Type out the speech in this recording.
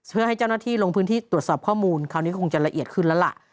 เพื่อให้เจ้าหน้าที่ลงพื้นที่ตรวจสอบข้อมูลคราวนี้ก็คงจะละเอียดขึ้นแล้วล่ะ